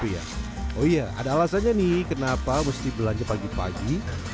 oh iya ada alasannya nih kenapa mesti belanja pagi pagi